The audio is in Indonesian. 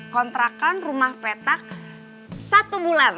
kontrakan rumah petak satu bulan